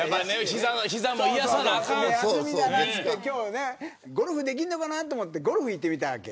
休みだなつって今日、ゴルフできるのかなと思ってゴルフ行ってみたわけ。